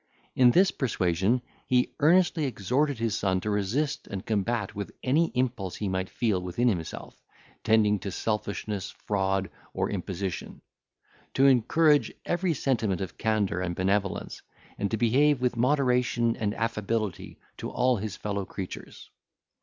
In this persuasion, he earnestly exhorted his son to resist and combat with any impulse he might feel within himself, tending to selfishness, fraud, or imposition; to encourage every sentiment of candour and benevolence, and to behave with moderation and affability to all his fellow creatures.